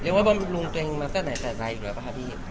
เรียกว่าบำรุงตัวเองมาตั้งแต่ใจอยู่แล้วป่ะคะพี่